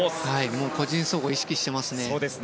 もう個人総合を意識していますね。